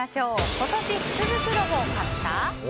今年、福袋を買った？